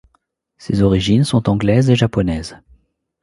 Ses origines sont anglaise et japonaise.